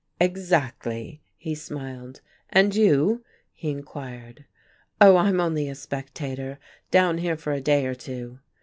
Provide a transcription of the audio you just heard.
"Exactly." He smiled. "And you?" he inquired. "Oh, I'm only a spectator. Down here for a day or two."